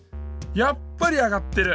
やっぱりあがってる！